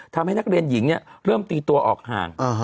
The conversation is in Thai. ทำให้นักเรียนหญิงเริ่มตีตัวออกห่าง